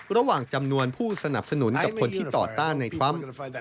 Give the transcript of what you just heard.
ระหว่างจำนวนผู้สนับสนุนกับคนที่ต่อต้านในความ